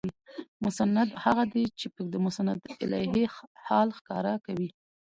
مسند هغه دئ، چي چي د مسندالیه حال ښکاره کوي.